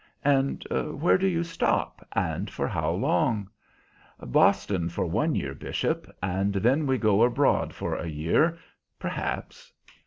"And where do you stop, and for how long?" "Boston, for one year, Bishop, and then we go abroad for a year, perhaps."